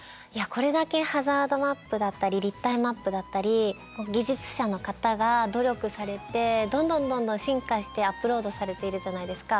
これだけハザードマップだったり立体マップだったり技術者の方が努力されてどんどんどんどん進化してアップロードされているじゃないですか。